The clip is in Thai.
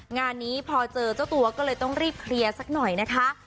งานนี้พอเจอเจ้าตัวก็เลยต้องรีบเคลียร์สักหน่อยนะคะ